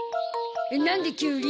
なんでキュウリ？